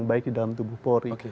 baik di dalam tubuh polri